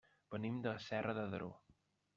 Venim de Serra de Daró.